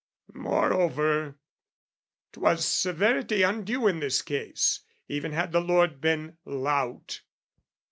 Moreover, 'twas severity undue In this case, even had the lord been lout.